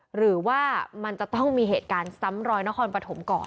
หรือว่ามันจะต้องมีเหตุการณ์ซ้ำรอยนครปฐมก่อน